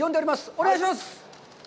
お願いします。